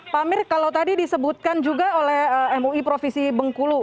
pak amir kalau tadi disebutkan juga oleh mui provinsi bengkulu